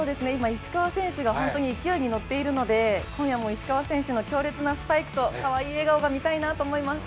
石川選手が今、勢いに乗っているので今夜も石川選手の強烈なスパイクとかわいい笑顔が見たいなと思います。